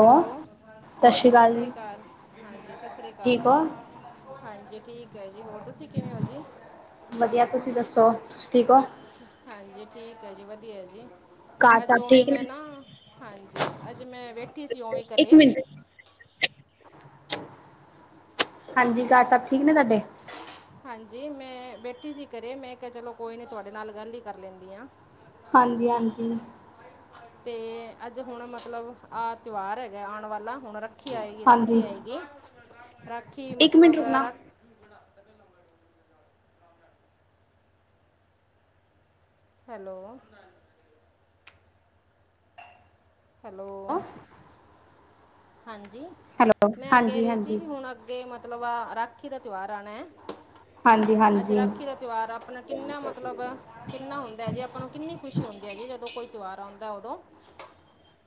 Hello, ਹਾਂਜੀ ਸੱਸ ਸ੍ਰੀ ਕਾਲ। ਹਾਂਜੀ ਸੱਸ ਸੀ੍ ਕਾਲ ਜੀ। ਹਾਂਜੀ ਠੀਕ ਐ ਜੀ, ਹੋਰ ਤੁ ਵਧੀਆ ਤੁਸੀ ਦੱਸੋ, ਤੁਸੀ ਠੀਕ ਓਂ? ਹਾਂਜੀ, ਠੀਕ ਹੈ ਜੀ ਵਧੀਆ ਜੀ, ਅੱਜ ਉਵੇਂ ਮੈਂ ਨਾ, ਹਾਂਜੀ ਅੱਜ ਮੈਂ ਵੇਠੀ ਸੀ ਓਵੇਂ ਘਰੇ ਹਾਂਜੀ, ਘਰ ਸਭ ਠੀਕ ਨੇ ਤਾੱਡੇ? ਹਾਂਜੀ ਮੈਂ ਬੇਠੀ ਸੀ ਕਰੇ ਮੈਂ ਕਿਹਾ ਚਲੋ ਕੋਈ ਨੀ ਤੁਆੱਡੇ ਨਾਲ ਗੱਲ ਹੀ ਕਰ ਲੈਂਦੀ ਆਂ। ਹਾਂਜੀ, ਹਾਂਜੀ। ਤੇ ਅੱਜ ਹੁਣ ਮਤਲਬ ਆਹ ਤਿਉਹਾਰ ਹੈਗਾ ਆਉਣ ਵਾਲਾ, ਹੁਣ ਰੱਖ ਰਾਖੀ ਆਏਗੀ, ਰਾਖੀ ਆਏਗੀ, ਰਾਖੀ ਮਤਲਬ ਰਖ [unintelligible] ਹੈਲੋ? ਹੈਲੋ? ਹਾਂਜੀ, ਮੈਂ ਕੇ ਰਹੀ ਸੀ ਵੀ ਹੁਣ ਅੱਗ ਅਗੇ ਮਤਲਬ ਰਾਖੀ ਦਾ ਤਿਉਹਾਰ ਆਣੈ ਅੱਜ ਰਾਖੀ ਦਾ ਤਿਉਹਾਰ ਆਪਣਾ ਕਿੰਨਾ ਮਤਲਬ ਕਿੰਨਾ ਹੁੰਦਾ ਹੈ ਜੀ, ਆਪਾਂ ਨੂੰ ਕਿੰਨੀ ਖੁਸ਼ੀ ਹੁੰਦੀ ਹੈ ਜੀ ਜਦੋਂ ਕੋਈ ਤਿਉਹਾਰ ਆਉਂਦਾ ਉਦੋਂ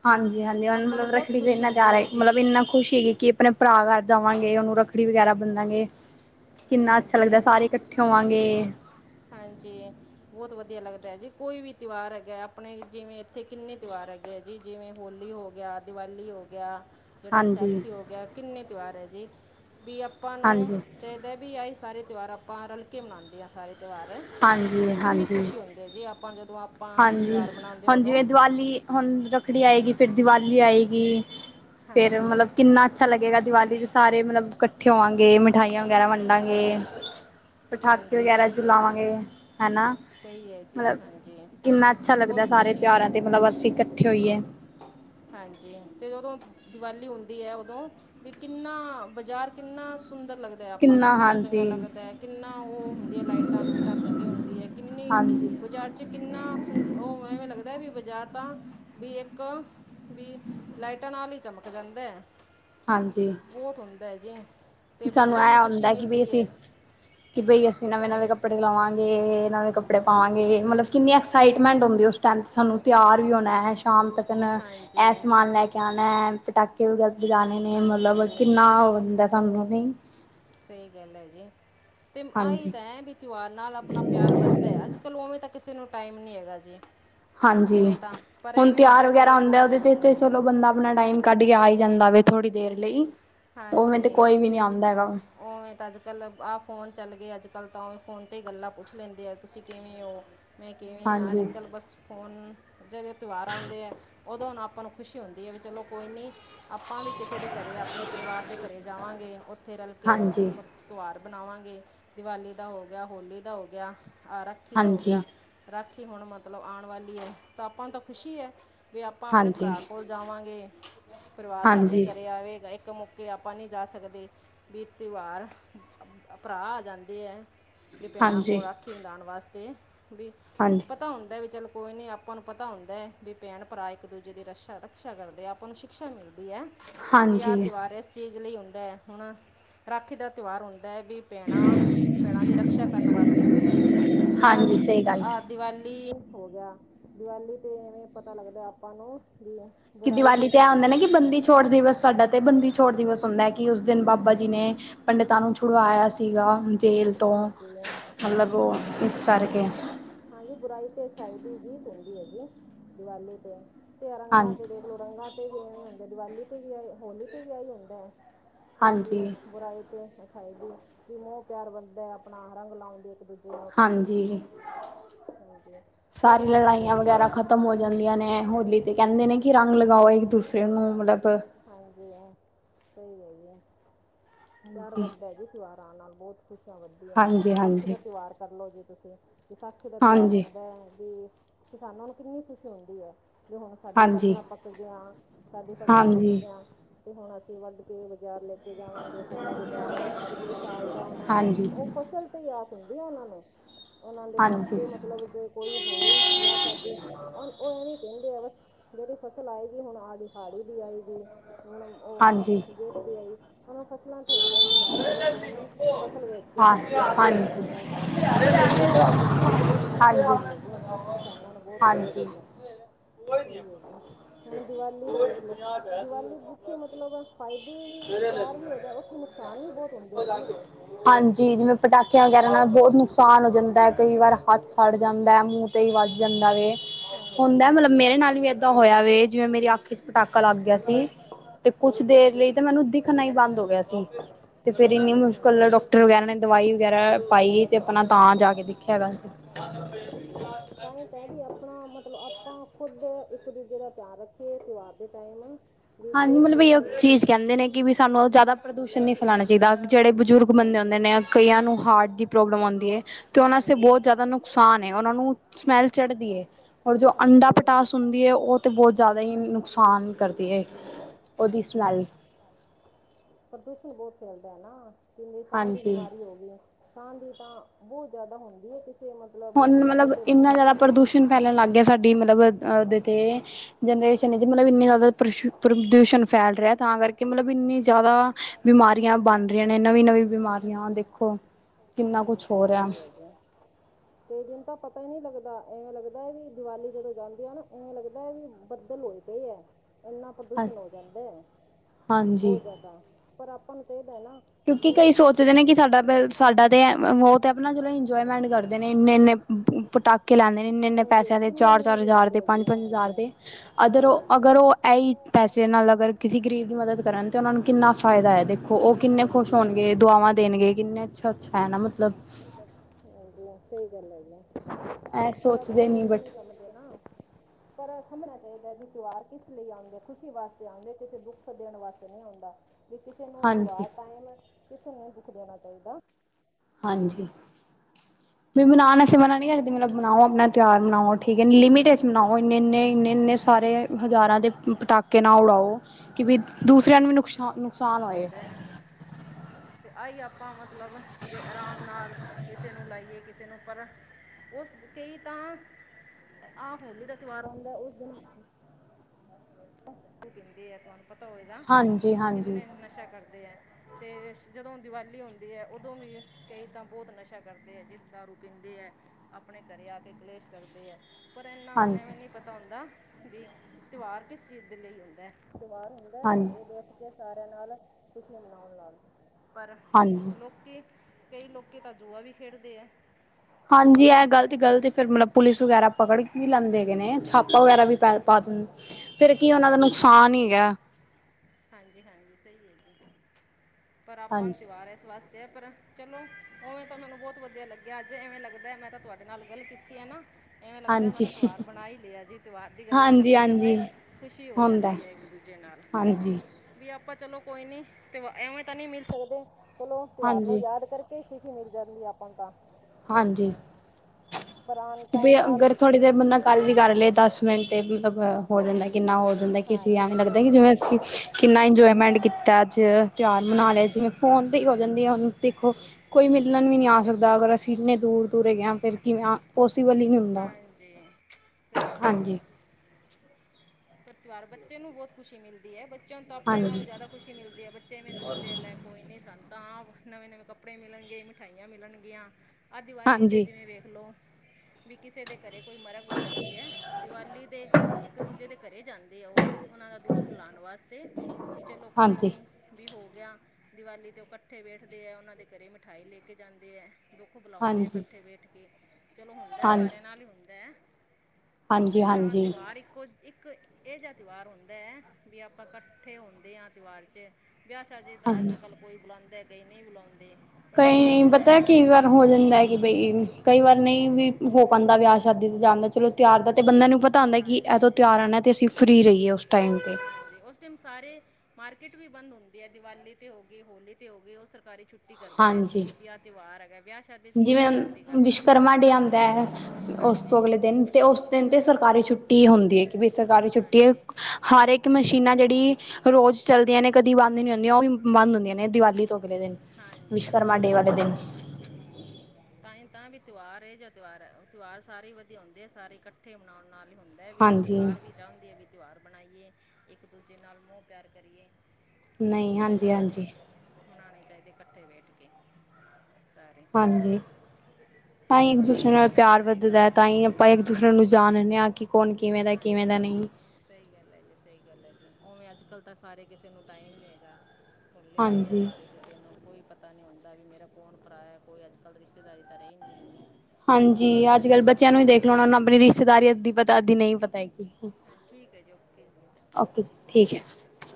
ਹਾਂਜੀ, ਹਾਂਜੀ ਉਹ ਨੂੰ ਮਤਲਬ ਰੱਖੜੀ ਤੇ ਇੰਨਾ ਤਿਆਰ ਹੈ ਮਤਲਬ ਇੰਨਾ ਖੁਸ਼ੀ ਹੈਗੀ ਕਿ ਆਪਣੇ ਭਰਾ ਘਰ ਜਾਵਾਂਗੇ, ਉਹਨੂੰ ਰੱਖੜੀ ਵਗੈਰਾ ਬੰਨਾਗੇ ਕਿੰਨਾ ਅੱਛਾ ਲੱਗਦਾ ਸਾਰੇ ਇਕੱਠੇ ਹੋਵਾਂਗੇ। ਹਾਂਜੀ, ਬਹੁਤ ਵਧੀਆ ਲੱਗਦਾ ਹੈ ਜੀ ਕੋਈ ਵੀ ਤਿਉਹਾਰ ਹੈਗਾ ਆਪਣੇ ਜਿਵੇਂ ਇੱਥੇ ਕਿੰਨੇ ਤਿਉਹਾਰ ਹੈਗੇ ਜੀ ਜਿਵੇਂ ਹੋਲੀ ਹੋ ਗਿਆ, ਦੀਵਾਲੀ ਹੋ ਗਿਆ ਜਿਹੜਾ ਵਿਸਾਖੀ ਹੋ ਗਿਆ ਕਿੰਨੇ ਤਿਉਹਾਰ ਹੈ ਜੀ, ਵੀ ਆਪਾਂ ਨੂੰ ਵੀ ਆਈ ਸਾਰੇ ਤਿਉਹਾਰ ਆਪਾਂ ਰਲ ਕੇ ਮਨਾਉਂਦੇ ਆਂ ਸਾਰੇ ਤਿਉਹਾਰ, ਕਿੰਨੀ ਖੁਸ਼ੀ ਹੁੰਦੇ ਆ ਜੇ ਆਪਾਂ ਆਪਾਂ ਜਦੋਂ ਆਪਾਂ, ਤਿਉਹਾਰ ਮਨਾਉਂਦੇ ਉਦੋਂ ਹੁਣ ਰੱਖੜੀ ਆਏਗੀ, ਫੇਰ ਦੀਵਾਲੀ ਆਏਗੀ, ਫੇਰ ਮਤਲਬ ਕਿੰਨਾ ਅੱਛਾ ਲੱਗੇਗਾ ਦੀਵਾਲੀ ਚ' ਸਾਰੇ ਮਤਲਬ ਇਕੱਠੇ ਹੋਵਾਂਗੇ, ਮਿਠਾਈਆਂ ਵਗੈਰਾ ਵੰਡਾਂਗੇ ਪਟਾਕੇ ਵਗੈਰਾ ਜਲਾਵਾਂਗੇ, ਹੈਨਾ ਮਤਲਬ ਕਿੰਨਾ ਅੱਛਾ ਲੱਗਦਾ ਸਾਰੇ ਤਿਉਹਾਰਾਂ ਤੇ ਮਤਲਬ ਅਸੀਂ ਇਕੱਠੇ ਹੋਈਏ ਹਾਂਜੀ ਤੇ ਜਦੋਂ ਦੀਵਾਲੀ ਹੁੰਦੀ ਐ ਉਦੋਂ ਵੀ ਕਿੰਨਾ, ਬਜਾਰ ਕਿੰਨਾ ਸੁੰਦਰ ਲੱਗਦਾ ਆਪਾਂ ਨੂੰ ਕਿੰਨਾ ਚੰਗਾ ਲੱਗਦੈ, ਕਿੰਨਾ ਉਹ ਹੁੰਦੀ ਹੈ ਲਾਈਟਾਂ ਲੂਟਾਂ ਜਗੀ ਹੁੰਦੀ ਹੈ ਕਿੰਨੀ ਬਜ਼ਾਰ 'ਚ' ਕਿੰਨਾ ਸੂੰ ਉਹ ਐਵੇਂ ਲੱਗਦਾ ਵੀ ਬਜ਼ਾਰ ਤਾਂ ਵੀ, ਇੱਕ ਵੀ ਲਾਈਟਾਂ ਨਾਲ ਹੀ ਚਮਕ ਜਾਂਦੈ। ਹਾਂਜੀ ਬਹੁਤ ਹੁੰਦਾ ਹੈ ਜੀ, ਅਤੇ ਬੱਚਿਆਂ ਨੂੰ ਖੁਸ਼ੀ ਮਿਲਦੀ ਐ। ਕਿ ਬਾਈ ਅਸੀਂ ਨਵੇਂ- ਨਵੇਂ ਕੱਪੜੇ ਲਵਾਂਗੇ, ਨਵੇਂ ਕੱਪੜੇ ਪਾਵਾਂਗੇ ਮਤਲਬ ਕਿੰਨੀ ਏਕਸਾਇਟਮੇਟ ਹੁੰਦੀ ਉਸ ਟਾਈਮ ਤੇ ਸਾਨੂੰ ਤਿਆਰ ਵਿ ਹੋਨੈ, ਸ਼ਾਮ ਤਕੱਨ ਐ ਸਮਾਨ ਲੈ ਕੇ ਕਿਆਣਾ ਪਟਾਕੇ ਵਗੈ ਵਜਾਨੇ ਨੇ ਮਤਲਬ ਕਿੰਨਾ ਹੁੰਦੈ ਸਾਨੂੰ ਬੀ ਸਹੀ ਗੱਲ ਹੈ ਜੀ, ਤੇ ਆਹੀ ਤਾਂ ਐ ਵੀ ਤਿਉਹਾਰ ਨਾਲ ਆਪਣਾ ਪਿਆਰ ਵੱਧਦਾ, ਅੱਜ ਕੱਲ੍ਹ ਉਵੇਂ ਤਾਂ ਕਿਸੇ ਨੂੰ ਟਾਈਮ ਨਹੀਂ ਹੈਗਾ ਜੀ ਹਾਂਜੀ, ਹੁਨ ਤਿਆਰ ਵਗੈਰਾ ਆੰਦੈ ਉਹਦੇ ਤੇ ਤੇ ਚਲੋ ਬੰਦਾ ਆਪਣਾ ਟਾਈਮ ਕੱਢ ਕੇ ਆਈ ਜਾਂਦਾ ਵੇ ਥੋੜੀ ਦੇਰ ਲਈ ਹਾਂਜੀ ਉਵੇਂ ਤਾਂ ਅੱਜ -ਕੱਲ੍ਹ ਆਹ ਫੋਨ ਚੱਲ ਗਏ ਅੱਜ -ਕੱਲ੍ਹ ਤਾਂ ਉਵੇਂ ਫੋਨ ਤੇ ਗੱਲਾਂ ਪੁੱਛ ਲੈਂਦੇ ਆ ਤੁਸੀਂ ਕਿਵੇਂ ਹੋ? ਮੈਂ ਕਿਵੇਂ ਅੱਜ ਕੱਲ੍ਹ ਬਸ ਫੋਨ ਜਿਹਦੋ ਤਿਉਹਾਰ ਆਉਂਦੇ ਆ ਉਦੋਂ ਹੁਣ ਆਪਾਂ ਨੂੰ ਖੁਸ਼ੀ ਹੁੰਦੀ ਹੈ ਵੀ ਚਲੋ ਕੋਈ ਨਹੀਂ ਆਪਾਂ ਵੀ ਕਿਸੇ ਦੇ ਘਰੇ ਐ ਆਪਣੇ ਪਰਿਵਾਰ ਦੇ ਘਰ ਜਾਵਾਂਗੇ ਉੱਥੇ ਰਲ ਕੇ ਤਿਉਹਾਰ ਬਣਾਵਾਂਗੇ ਦਿਵਾਲੀ ਦਾ ਹੋ ਗਿਆ ਹੋਲੀ ਦਾ ਹੋ ਗਿਆ ਰਾਖੀ ਦਾ ਹੋ ਗਿਆ ਰਾਖੀ ਹੁਣ ਮਤਲਬ ਆਉਣ ਵਾਲੀ ਹੈ ਤਾਂ ਆਪਾਂ ਨੂੰ ਤਾਂ ਖੁਸ਼ੀ ਹੈ। ਵੀ ਆਪਾਂ ਆਪਣੇ ਭਰਾ ਕੋਲ ਜਾਵਾਂਗੇ ਪਰਿਵਾਰ ਸਾਡੇ ਘਰ ਆਵੇਗਾ ਇੱਕ ਇੱਕ ਮੌਕੇ ਆਪਾਂ ਨਹੀਂ ਜਾ ਸਕਦੇ [unintelligible] ਭਰਾ ਆ ਜਾਂਦੇ ਹੈ ਵੀ ਭੈਣਾ ਕੋਲ ਰਾਖੀ ਬਣਾਉਣ ਵਾਸਤੇ, ਵੀ ਹਾਂਜੀ। ਪਤਾ ਹੁੰਦਾ ਵੀ ਚੱਲ ਕੋਈ ਨੀ ਆਪਾਂ ਨੂੰ ਪਤਾ ਹੁੰਦਾ, ਵੀ ਭੈਣ ਭਰਾ ਇੱਕ ਦੂਜੇ ਦੀ ਰਸ਼ਾ ਰਕਸ਼ਾ ਕਰਦੇ ਆਪ ਸ਼ਿਕਸ਼ਾ ਮਿਲਦੀ ਹੈ, ਬਈ ਇਸ ਚੀਜ਼ ਲਈ ਹੁੰਦਾ ਹੈ, ਹੁਣ ਰਾਖੀ ਦਾ ਤਿਉਹਾਰ ਹੁੰਦਾ ਹੈ, ਵੀ ਭੈਣਾਂ-ਭੈਣਾਂ, ਦੀ ਰਕਸ਼ਾ ਕਰਨ ਵਾਸਤੇ ਹੁੰਦਾ ਹੈ। ਜਿਹੜਾ ਆ ਦੀਵਾਲੀ ਹੋ ਗਿਆ, ਦੀਵਾਲੀ ਤੇ ਇਵੇਂ ਪਤਾ ਲੱਗਦਾ ਆਪਾਂ ਨੂੰ, ਵੀ ਕਿ ਦੀਵਾਲੀ ਤੇ ਆ ਹੁੰਦਾ ਨਾ, ਕਿ ਬੰਦੀ ਛੋੜ ਦਿਵਸ ਸਾਡਾ ਤੇ ਬੰਦੀ ਛੋੜ ਦਿਵਸ ਹੁੰਦਾ, ਕਿ ਉਸ ਦਿਨ ਬਾਬਾ ਜੀ ਜੀ ਨੇ ਪੰਡਿਤਾਂ ਨੂੰ ਛੁਡਵਾਇਆ ਸੀਗਾ, ਜੇਲ੍ਹ ਤੋਂ। ਮਤਲਬ ਉਹ, ਇਸ ਕਰਕੇ ਹਾਂਜੀ ਬੁਰਾਈ ਤੇ ਅੱਛਾਈ ਦੀ ਜੀਤ ਹੁੰਦੀ ਹੈ ਜੀ, ਦੀਵਾਲੀ ਤੇ, ਤੇ ਅਰੰਗਾਂ ਤੇ ਦੇ [unintelligible] ਤੇ ਵੀ ਐਵੇਂ ਹੁੰਦਾ, ਦੀਵਾਲੀ ਤੇ ਵੀ ਆ ਹੋਲੀ ਤੇ ਵੀ ਆਹੀ ਹੁੰਦਾ ਹੈ। ਵੀ, ਬੁਰਾਈ ਤੇ ਅੱਛਾਈ ਦੀ, ਵੀ ਮੋਹ ਪਿਆਰ ਵਧਦਾ, ਆਪਣਾ ਰੰਗ ਲਾਉਂਦੇ ਇੱਕ ਦੂਜੇ ਹਾਂਜੀ, ਸਾਰੀ ਲੜਾਈਆਂ ਵਗੈਰਾ ਖਤਮ ਹੋ ਜਾਂਦੀਆਂ ਨੇ ਹੋਲੀ ਤੇ, ਕਹਿੰਦੇ ਨੇ ਕਿ ਰੰਗ ਲਗਾਓ ਇੱਕ ਦੂਸਰੇ ਨੂੰ ਮਤਲਬ ਹਾਂਜੀ, ਸਹੀ ਹੈ ਜੀ, ਪਿਆਰ ਵੱਧਦਾ ਜੀ ਤਿਉਹਾਰ ਆਣ ਨਾਲ, ਬਹੁਤ ਖੁਸ਼ੀਆਂ ਵੱਧਦੀਆਂ, ਹੁਣ ਵਿਸਾਖੀ ਦਾ ਤਿਹਾਰ ਕਰ ਲਓ ਜੀ ਤੁਸੀਂ ਵਿਸਾਖੀ ਦਾ ਤਿਉਹਾਰ ਹੁੰਦਾ ਹੈ, ਵੀ ਕਿਸਾਨਾਂ ਨੂੰ ਕਿੰਨੀ ਖੁਸ਼ੀ ਹੁੰਦੀ ਹੈ। ਵੀ ਹੁਣ ਸਾਡੀ ਫਸਲਾਂ ਪੱਕ ਗਈਆਂ, ਸਾਡੀ ਫਸਲਾਂ ਤੇ ਹੁਣ ਅਸੀਂ ਵੱਢ ਕੇ, ਬਾਜ਼ਾਰ ਲੈ ਕੇ ਕੇ ਜਾਵਾਂਗੇ ਸਾਡਾ ਗੁਜ਼ਾਰਾ, ਵੀ ਸਾਲ ਦਾ ਉਹਨਾਂ ਦਾ ਉਹ ਫਸਲ ਆਸ ਹੁੰਦੀ ਆ ਉਹਨਾਂ ਨੂੰ, ਉਹਨਾਂ ਦੇ ਖਰਚੇ ਮਤਲਬ, ਜੇ ਕੋਈ ਹੋਵੇ ਵਿਆਹ ਸ਼ਾਦੀ, ਔਰ ਐਵੇਂ ਕਹਿੰਦੇ ਆ ਬਸ ਜਿਹੜੀ ਫਸਲ ਆਏਗੀ ਹੁਣ ਆੜੀ ਹਾੜੀ ਵੀ ਆਏਗੀ, ਹੁਣ ਹਾਂਜੀ। ਵੇਖਦੇ ਆ ਈ, ਉਹਨਾਂ ਫਸਲਾਂ ਤੇ ਹੁੰਦਾ ਵਿਸ਼ਵਾਸ, ਚਲੋ ਕੋਈ ਨਹੀਂ ਫਸਲ ਵੇਚ ਤੇ ਸਾਰਾ ਕੁੱਛ ਕਰਜ਼ਾ ਕੁਰਜਾ ਉਤਾਰਦੇ ਦਿੰਦੇ ਆ ਉਹ, ਉਹਨਾ ਨੂੰ ਬਹੁਤ ਖੁਸ਼ੀ ਹੁੰਦੀ ਹੈ ਜੀ। ਕਿਸਾਨਾਂ ਨੂੰ ਬਹੁਤ ਹੁੰਦੀ ਹੈਗੀ, ਸਹੀ ਹੈਗੀ, ਹੁਣ ਦੀਵਾਲੀ ਦੇ ਵੇਖ ਲੋ ਦੀਵਾਲੀ ਜਿੱਥੇ ਮਤਲਬ, ਫਾਇਦੇ, ਪਿਆਰ ਵੀ ਹੋ ਜਾਵੇ, ਉੱਥੇ ਨੁਕਸਾਨ ਵੀ ਬਹੁਤ ਹੁੰਦੇ ਹੈ ਜੀ। ਹਾਂਜੀ, ਜਿਵੇਂ ਪਟਾਕਿਆਂ ਵਗੈਰਾ ਨਾਲ ਬਹੁਤ ਨੁਕਸਾਨ ਹੋ ਜਾਂਦਾ, ਕਈ ਵਾਰ ਹੱਥ ਸੜ ਜਾਂਦਾ, ਮੂੰਹ 'ਤੇ ਹੀ ਵੱਜ ਜਾਂਦਾ ਵੇ। ਹੁੰਦਾ ਮਤਲਬ ਮੇਰੇ ਨਾਲ ਵੀ ਏਦਾਂ ਹੋਇਆ ਵੇ, ਜਿਵੇਂ ਮੇਰੀ ਅੱਖ ਚ ਪਟਾਕਾ ਲੱਗ ਗਿਆ ਸੀ। ਤੇ ਕੁਛ ਦੇਰ ਲਈ ਤੇ ਮੈਨੂੰ ਦਿਖਣਾ ਹੀ ਬੰਦ ਹੋ ਗਿਆ ਸੀ, ਤੇ ਫੇਰ ਇੰਨੀ ਮੁਸ਼ਕਿਲ ਮਤਲਬ ਡਾਕਟਰ ਵਗੈਰਾ ਨੇ ਦਵਾਈ ਵਗੈਰਾ ਪਾਈ, ਤੇ ਆਪਣਾ ਤਾਂ ਜਾ ਕੇ ਦੀਖਿਆ ਵੈਸੇ। [inaudible] ਤਾਂਹੀ ਤੈ ਵੀ ਆਪ ਆਪਣਾ ਮਤਲਬ, ਆਪਾਂ ਖੁੱਦ ਇੱਕ ਦੂਜੇ ਦਾ ਧਿਆਨ ਰੱਖੀਏ ਤਿਉਵਹਾਰ ਦੇ ਟਾਈਮ। ਹਾਂਜੀ ਮਤਲਬ, ਇਹ ਚੀਜ਼ ਕਹਿੰਦੇ ਨੇ ਕਿ, ਵੀ ਸਾਨੂੰ ਜ਼ਿਆਦਾ ਪ੍ਰਦੂਸ਼ਣ ਨਹੀਂ ਫੈਲਾਣਾ ਚਾਹੀਦਾ, ਜਿਹੜੇ ਬਜ਼ੁਰਗ ਬੰਦੇ ਆਉਂਦੇ ਨੇ ਕਈਆਂ ਨੂੰ ਹਾਰਟ ਦੀ ਪ੍ਰੋਬਲਮ ਆਉਂਦੀ ਹੈ, ਤੇ ਉਹਨਾਂ ਬਹੁਤ ਜ਼ਿਆਦਾ ਨੁਕਸਾਨ ਹੈ, ਉਹਨਾਂ ਨੂੰ ਸਮੈੱਲ ਚੜ੍ਹਦੀ ਹੈ। ਔਰ ਜੋ ਅੰਡਾ ਪਟਾਸ ਹੁੰਦੀ ਹੈ, ਉਹ ਤਾਂ ਬਹੁਤ ਜ਼ਿਆਦਾ ਹੀ ਨੁਕਸਾਨ ਕਰਦੀ ਏ ਹਾਂਜੀ, ਪ੍ਰਦੂਸ਼ਣ ਬਹੁਤ ਫੈਲਦਾ ਹੈ ਨਾ ਕਹਿੰਦੇ ਸਾਹ ਦੀ ਬਿਮਾਰੀ ਹੋ ਗਈ, ਸਾਹ ਦੀ ਤਾਂ ਬਹੁਤ ਜਿਆਦਾ ਹੁੰਦੀ ਹੈ ਕਿਸੇ ਮਤਲ ਹੁਣ ਮਤਲਬ ਇੰਨਾ ਜ਼ਿਆਦਾ ਪ੍ਰਦੂਸ਼ਣ ਫੈਲਣ ਲੱਗ ਗਿਆ, ਸਾਡੀ ਮਤਲਬ ਉਹਦੇ ਤੇ ਜਨਰੇ ਚੰਨੀ ਜੀ, ਮਤਲਬ ਇੰਨੀ ਜ਼ਿਆਦਾ ਪ੍ਰਸ਼ੂ ਪ੍ਰਦੂਸ਼ਣ ਫੈਲ ਰਿਹਾ, ਤਾਂ ਕਰਕੇ, ਮਤਲਬ ਇੰਨੀ ਜ਼ਿਆਦਾ ਬਿਮਾਰੀਆਂ ਬਣ ਰਹੀਆਂ ਨੇ, ਨਵੀਂ-ਨਵੀਂ ਬਿਮਾਰੀਆਂ ਦੇਖੋ। ਹਾਂਜੀ [unintelligible] ਸਹੀ ਬਾਤ ਐ ਕਈ ਦਿਨ ਤਾਂ ਪਤਾ ਹੀ ਨਹੀਂ ਲੱਗਦਾ, ਐਵੇਂ ਲੱਗਦਾ ਵੀ ਦੀਵਾਲੀ ਜਦੋਂ ਜਾਂਦੀ ਆ ਨਾ, ਇਵੇਂ ਲੱਗਦਾ ਹੈ ਵੀ ਬੱਦਲ ਹੋਏ ਇਹਹੈ, ਇੰਨਾ ਪ੍ਰਦੂਸ਼ਣ ਹੋ ਜਾਂਦਾ ਹੈ, ਬਹੁਤ ਜ਼ਿਆਦਾ। ਪਰ, ਆਪਾਂ ਨੂੰ ਚਾਹੀਦਾ ਨਾ ਕਿਉਂਕਿ ਕਈ ਸੋਚਦੇ ਨੇ ਕਿ ਸਾਡਾ -ਸਾਡਾ ਤੇ ਉਹ ਤੇ ਆਪਣਾ ਚਲੋ ਇੰਜੋਏਮੈਂਟ ਕਰਦੇ ਨੇ ਇੰਨੇ -ਇੰਨੇ ਪਟਾਕੇੇ ਲੈਂਦੇ ਨੇ ਇੰਨੇ -ਇੰਨੇ ਪੈਸਿਆਂ ਦੇ ਚਾਰ -ਚਾਰ ਹਜ਼ਾਰ ਦੇ ਪੰਜ- ਪੰਜ ਹਜ਼ਾਰ ਦੇ ਅਦਰ ਉਹ ਅਗਰ ਉਹ ਇਹ ਹੀ ਪੈਸੇ ਨਾਲ ਅਗਰ ਕਿਸੇ ਗਰੀਬ ਦੀ ਮਦਦ ਕਰਨ ਤਾਂ ਉਹਨਾਂ ਨੂੰ ਕਿੰਨਾ ਫਾਇਦਾ ਹੈ ਇਹਦੇ ਉਹ ਕਿੰਨੇ ਖੁਸ਼ ਹੋਣਗੇ, ਦੁਆਵਾਂ ਦੇਣਗੇ, ਕਿੰਨਾ ਅੱਛਾ -ਅੱਛਾ ਹੈ ਨਾ ਮਤਲਬ ਹਾਂਜੀ, ਸਹੀ ਗੱਲ ਹੈ ਜੀ ਪਰ ਅਜ ਲੋਕੀ ਨਹੀਂ ਸਮਝਦੇ ਨਾ। ਪਰ ਸਮ ਨਾ ਵੀ ਤਿਉਹਾਰ ਕਿਸ ਲਈ ਆਉਂਦੇ ਖੁਸ਼ੀ ਵਾਸਤੇ ਆਉਂਦੇ ਕਿਸੇ ਦੁੱਖ ਦੇਣ ਵਾਸਤੇ ਨਹੀਂ ਆਉਂਦਾ ਵੀ ਕਿਸੇ ਕਿਸੇ ਨੂੰ ਤਿਉਹਾਰ ਟਾਈਮ ਕਿਸੇ ਨੂੰ ਦੁੱਖ ਦੇਣਾ ਚਾਹੀਦਾ। ਹਾਂਜੀ [inaudible] ਬਈ ਮਨਾਉਣ ਅਸੀਂ ਮਨਾ ਨਹੀਂ ਕਰਦੀ ਮਤਲਬ ਬਨਾਓ ਆਪਣਾ ਤਿਉਹਾਰ ਬਨਾਓ ਠੀਕ ਹੈ ਲਿਮਿਟ 'ਚ ਬਨਾਓ ਇੰਨੇ -ਇੰਨੇ -ਇੰਨੇ -ਇੰਨੇ ਸਾਰੇ ਹਜ਼ਾਰਾਂ ਦੇ ਪਟਾਕੇ ਨਾ ਉਡਾਓ ਕਿ ਵੀ ਦੂਸਰਿਆਂ ਨੂੰ ਵੀ ਨੁਕਸਾਨ- ਨੁਕ [unintelligible] [unintelligible] ਤੇ ਆਈ ਆਪਾਂ ਮਤਲਬ ਜੇ ਆਰਾਮ ਨਾਲ ਕਿਸੇ ਨੂੰ ਲਾਈਏ ਕਿਸੇ ਨੂੰ ਪਰ ਉਸ ਕਈ ਤਾਂ ਆਹ ਹੋਲੀ ਦਾ ਤਿਉਹਾਰ ਆਉਂਦਾ ਉਸ ਦਿਨ ਪੀਂਦੇ ਹੈ ਤੁਹਾਨੂੰ ਪਤਾ ਹੋਏਗਾ ਕਿੰਨੇ ਨਸ਼ਾ ਕਰਦੇ ਐ। ਤੇ ਜਦੋਂ ਦੀਵਾਲੀ ਆਉਂਦੀ ਹੈ ਉਦੋਂ ਵੀ ਕਈ ਤਾਂ ਬਹੁਤ ਨਸ਼ਾ ਕਰਦੇ ਹੈ ਜੇ ਦਾਰੂ ਪੀਂਦੇ ਹੈ ਆਪਣੇ ਘਰੇ ਆ ਕੇ ਕਲੇਸ਼ ਕਰਦੇ ਐ। ਪਰ ਇਹਨਾਂ ਨੂੰ ਐਵੇਂ ਨਹੀਂ ਪਤਾ ਹੁੰਦਾ, ਵੀ ਤਿਉਹਾਰ ਕਿਸ ਚੀਜ਼ ਦੇ ਲਈ ਹੁੰਦਾ ਹੈ ਤਿਉਹਾਰ ਹੁੰ ਘਰੇ ਬੈਠ ਕੇ ਸਾਰਿਆਂ ਨਾਲ ਖ਼ੁਸ਼ੀ ਮਨਾਉਣ ਨਾਲ ਪਰ ਹਾਂਜੀ ਲੋਕੀ ਕਈ ਲੋਕੀ ਤਾਂ ਜੂਆ ਵੀ ਖੇਡਦੇ ਹੈ। ਹਾਂਜੀ ਐ ਗਲਤ- ਗ਼ਲਤ ਫੇਰ ਮਤਲਬ ਪੁਲਿਸ ਵਗੈਰਾ ਪਕੜ ਵੀ ਲੈਂਦੇ ਗਏ ਨੇ ਛਾਪ ਪਾ ਵਗੈਰਾ ਵੀ ਪੈ ਪਾ ਦਿੰਦੇ, ਫੇਰ ਕੀ ਉਹਨਾਂ ਦਾ ਨੁਕਸਾਨ ਹੀਗਾ। ਹਾਂਜੀ- ਹਾਂਜੀ ਸਹੀ ਹੈ ਜੀ, ਪਰ ਆਪਾਂ ਨੂੰ ਤਿਉਹਾਰ ਇਸ ਵਾਸਤੇ ਪਰ ਚਲੋ ਉਵੇਂ ਤਾਂ ਮੈਨੂੰ ਬਹੁਤ ਵਧੀਆ ਲੱਗਿਆ ਅੱਜ ਇਵੇਂ ਲੱਗਦਾ ਮੈਂ ਤਾਂ ਤੁਹਾਡੇ ਨਾਲ ਗੱਲ ਕੀਤੀ ਹੈ ਨਾ। ਇਵੇਂ ਲੱਗਦਾ ਮੈਂ ਕਿਹਾ ਤਿਉਹਾਰ ਬਣਾ ਹੀ ਲਿਆ ਜੀ ਤਿਉਹਾਰ ਦੀ ਗੱਲਾਂ ਕਰਦੇ- ਕਰਦੇ। ਖੁਸ਼ੀ ਹੋ ਜਾਂਦੀ ਹੈ ਇੱਕ-ਦੂਜੇ ਨਾਲ ਹਾਂਜੀ ਵੀ ਆਪਾਂ ਚਲੋ ਕੋਈ ਨੀ ਤਿਵ ਐਵੇਂ ਤਾਂ ਨਹੀ ਮਿਲ ਸਕਦੇ ਚਲੋ ਤਿਉਹਾਰ ਨੂੰ ਯਾਦ ਕਰਕੇ ਕਈ ਖੁਸ਼ੀ ਮਿਲ ਜਾਂਦੀ ਹੈ ਆਪਾਂ ਨੂੰ ਤਾਂ ਹਾਂਜੀ ਵੀ ਅਗਰ ਥੋੜੀ ਦੇਰ ਬੰਦਾ ਗਲ ਵੀ ਕਰ ਲਏ ਦਸ ਮਿੰਟ ਤੇ ਮਤਲਬ ਹੋ ਜਾਂਦਾ ਕਿੰਨਾ ਹੋ ਜਾਂਦਾ ਕਿਸੇ ਵੀ ਐਵੇਂ ਲੱਗਦਾ ਕਿ ਜਿਵੇਂ ਅਸੀਂ ਕਿੰਨਾ ਇੰਜੋਏਮੈਂਟ ਕੀਤਾ ਅੱਜ ਤਿਉਹਾਰ ਮਨਾ ਲਿਆ ਜਿਵੇਂ ਫੋਨ ਤੇ ਹੀ ਹੋ ਜਾਂਦੇ ਹੁਣ ਦੇਖੋ। ਕੋਈ ਮਿਲਣ ਵੀ ਨਹੀਂ ਆ ਸਕਦਾ ਅਗਰ ਅਸੀਂ ਇੰਨੇ ਦੂਰ- ਦੂਰ ਹੈਗੇ ਫਿਰ ਕਿਵੇਂ ਪੋਸੀਬਲ ਹੀ ਨੀ। ਹਾਂਜੀ, ਸਹੀ ਗੱਲ ਆ ਜੀ। ਤਿਉਹਾਰ ਬੱਚੇ ਨੂੰ ਬਹੁਤ ਖੁਸ਼ੀ ਮਿਲਦੀ ਹੈ, ਬੱਚਿਆਂ ਨੂੰ ਤਾਂ ਆਪਣੇ ਨਾਲੋਂ ਜ਼ਿਆਦਾ ਖੁਸ਼ੀ ਮਿਲਦੀ ਹੈ ਬੱਚੇ ਇਵੇਂ ਸੋਚਦੇ ਲੈ ਕੋਈ ਨਹੀਂ ਸਾਨੂੰ ਤਾਂ ਨਵੇਂ- ਨਵੇਂ ਕੱਪੜੇ ਮਿਲਣਗੇ, ਮਿਠਾਈਆਂ ਮਿਲਣਗੀਆਂ। ਆਹ ਦਿਵਾਲੀ ਤੇ ਜਿਵੇਂ ਵੇਖ ਲਓ, ਵੀ ਕਿਸੇ ਦੇ ਘਰੇ ਈ ਮਰਗ ਹੋ ਜਾਂਦੀ, ਦਿਵਾਲੀ ਦੇ ਇੱਕ ਦੂਜੇ ਦੇ ਜਾਂਦੇ ਆ ਉਹ ਉਹਨਾਂ ਦਾ ਦੁੱਖ ਭੁਲਾਉਣ ਵਾਸਤੇ, ਵੀ ਚਲੋ ਕੋਈ ਨਹੀਂ। ਵੀ ਹੋ ਗਿਆ, ਦੀਵਾਲੀ ਤੇ ਉਹ ਇਕੱਠੇ ਬੈਠਦੇ ਹੈ ਉਹਨਾਂ ਦੇ ਘਰੇ ਮਿਠਾਈ ਲੈ ਕੇ ਜਾਂਦੇ ਹੈ। ਦੁੱਖ ਭੁਲਾਉਂਦੇ ਆ ਇਕੱਠੇ ਬੈਠ ਕੇ ਚਲੋ ਹੁੰਦਾ ਸਾਰਿਆਂ ਨਾਲ ਹੀ ਹੁੰਦਾ ਹੈ। ਪਰ ਆਹ ਤਿਉਹਾਰ ਇੱਕੋ ਇੱਕ ਇਹ ਜਿਹਾ ਤਿਉਹਾਰ ਹੁੰਦਾ ਹੈ ਵੀ ਆਪਾਂ ਇਕੱਠੇ ਹੁੰਦੇ ਹਾਂ ਤਿਉਹਾਰ 'ਚ ਵਿਆਹ ਸ਼ਾਦੀ ਤਾਂ ਅੱਜ ਕੱਲ੍ਹ ਕੋਈ ਬੁਲਾਉਂਦਾ ਕਈ ਨਹੀਂ ਬੁਲਾਉਂਦੇ। ਕਈ ਪਤਾ ਕੀ ਵਾਰ ਹੋ ਜਾਂਦਾ ਹੈ ਕਿ ਬਈ ਕਈ ਵਾਰ ਨਹੀਂ ਵੀ ਹੋ ਪਾਉਂਦਾ ਵਿਆਹ ਸ਼ਾਦੀ ਤੋਂ ਜਾਣ ਦਾ ਚਲੋ ਤਿਆਰ ਦਾ ਤੇ ਬੰਦਾ ਨੂੰ ਪਤਾ ਪਤਾ ਆਉਂਦਾ ਕਿ ਇਹਦੇ ਤੋਂ ਤਿਉਹਾਰ ਆਉਣਾ ਤੇ ਅਸੀਂ ਫਰੀ ਰਹੀਏ ਉਸ ਹਾਂਜੀ ਉਸ ਉਸ ਟਾਈਮ ਸਾਰੇ ਮਾਰਕੀਟ ਵੀ ਬੰਦ ਹੁੰਦੀ ਹੈ ਦੀਵਾਲੀ ਤੇ ਹੋ ਗਏ, ਹੋਲੀ ਤੇ ਹੋ ਗਏ ਉਹ ਸਰਕਾਰੀ ਛੁੱਟੀ ਛੁੱਟੀ ਕਰਦੇ ਹੈ ਵਿਆਹ ਤਿਉਹਾਰ ਹੈਗਾ ਵਿਆਹ ਜਿਵੇਂ ਵਿਸ਼ਵਕਰਮਾ ਡੇ ਆਉਂਦਾ ਹੈ ਉਸ ਤੋਂ ਅਗਲੇ ਦਿਨ ਤੇ ਉਸ ਦਿਨ ਤਾਂ ਸਰਕਾਰੀ ਛੁੱਟੀ ਹੁੰਦੀ ਹੈ ਕਿ ਬੇ ਸਰਕਾਰੀ ਛੁੱਟੀ ਹੈ ਹਰ ਇੱਕ ਮਸ਼ੀਨਾਂ ਜਿਹੜੀ ਰੋਜ਼ ਚਲਦੀਆਂ ਨੇ ਕਦੀ ਬੰਦ ਨੀ ਹੁੰਦੀਆਂ ਉਹ ਵੀ ਬੰਦ ਹੁੰਦੀਆਂ ਨੇ ਦੀਵਾਲੀ ਤੋਂ ਅਗਲੇ ਦਿਨ ਵਿਸ਼ਵਕਰਮਾ ਡੇ ਵਾਲੇ ਦਿਨ ਤਾਂ ਹੀ ਤਾਂ ਵੀ ਤਿਉਹਾਰ ਇਹ ਜਿਹਾ ਤਿਉਹਾਰ ਉਹ ਤਿਉਹਾਰ ਸਾਰੇ ਵਧੀਆ ਹੁੰਦੇ ਆ ਸਾਰੇ ਇਕੱਠੇ ਮਨਾਉਣ ਨਾਲ ਹੀ ਹੁੰਦੇ ਵੀ ਸਰਕਾਰ ਵੀ ਚਾਹੁੰਦੀ ਹੈ ਵੀ ਤਿਉਹਾਰ ਬਨਾਈਏ ਇੱਕ ਦੂਜੇ ਨਾਲ ਮੂੰਹ ਪਿਆਰ ਕਰੀਏ ਤਿਉਹਾਰ ਹੀ ਮਨਾਉਣੇ ਚਾਹੀਦੇ ਇਕੱਠੇ ਬੈਠ ਕੇ, ਸਾਰੇ ਹਾਂਜੀ ਤਾਂ ਹੀ ਇੱਕ ਦੂਸਰੇ ਨਾਲ ਪਿਆਰ ਵੱਧਦਾ ਹੈ ਤਾਂ ਹੀ ਆਪਾਂ ਇੱਕ ਦੂਸਰੇ ਨੂੰ ਜਾਣਦੇ ਹਾਂ ਕਿ ਕੌਣ ਕਿਵੇਂ ਦਾ ਕਿਵੇਂ ਦਾ ਨਹੀਂ ਸਹੀ ਗੱਲ ਹੈ ਜੀ ਸਹੀ ਗੱਲ ਹੈ ਜੀ ਉਵੇਂ ਅੱਜ ਕੱਲ੍ਹ ਤਾਂ ਸਾਰੇ ਕਿਸੇ ਨੂੰ ਟਾਈਮ ਨਹੀਂ ਹੈਗਾ ਖੁੱਲ੍ਹੇ ਪਏ ਆ ਸਾਰੇ ਕਿਸੇ ਨੂੰ ਕੋਈ ਪਤਾ ਨੀ ਹੁੰਦਾ ਵੀ ਮੇਰਾ ਕੌਣ ਭਰਾ ਹੈ ਕੋਈ ਅੱਜ ਕੱਲ੍ਹ ਰਿਸ਼ਤੇਦਾਰੀ ਤਾਂ ਰਹੀ ਨਹੀਂ ਇੰਨੀ ਹਾਂਜੀ ਅੱਜ-ਕੱਲ੍ਹ ਬੱਚਿਆਂ ਨੂੰ ਵੀ ਦੇਖ ਲੈਣ ਉਹਨੂੰ ਆਪਣੀ ਰਿਸ਼ਤੇਦਾਰੀ ਅੱਧੀ ਪਤਾ ਅੱਧੀ ਨਹੀਂ ਪਤਾ ਹੈਗੀ ਹਾਂ ਠੀਕ ਹੈ' ਜੀ ਓਕੇ ਓਕੇ ਜੀ'ਠੀਕ ਹੈ